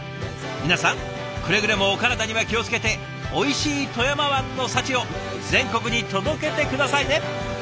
皆さんくれぐれもお体には気を付けておいしい富山湾の幸を全国に届けて下さいね。